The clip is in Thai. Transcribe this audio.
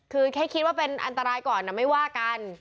คือแค่คิดว่าเป็นอันตรายก่อนไม่ว่ากัน